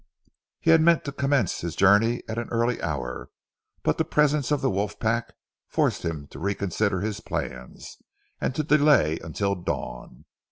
He had meant to commence his journey at an early hour, but the presence of the wolf pack forced him to reconsider his plans, and to delay until dawn.